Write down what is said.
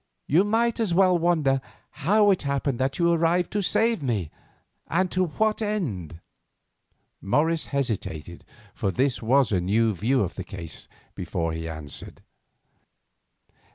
You might as well wonder how it happened that you arrived to save me, and to what end." Morris hesitated, for this was a new view of the case, before he answered.